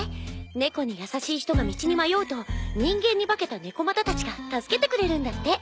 猫に優しい人が道に迷うと人間に化けた猫又たちが助けてくれるんだって。